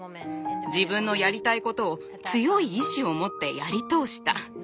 自分のやりたいことを強い意志を持ってやり通した。